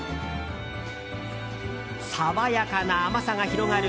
爽やかな甘さが広がる